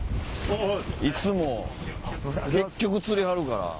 いつも結局釣りはるから。